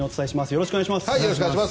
よろしくお願いします。